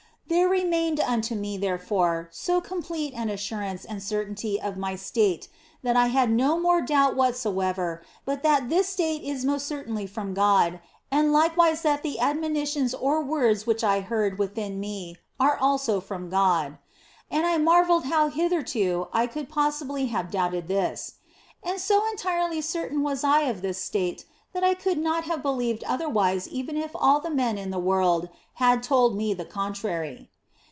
There remained unto me, there fore, so complete an assurance and certainty of my state that I had no more doubt whatsoever but that this state is most certainly from God, and likewise that the admoni tions or words which I heard within me are also from God. And I marvelled how hitherto I could possibly have doubted this. And so entirely certain was I of this state that I could not have believed otherwise even if all the men in the world had told me the contrary.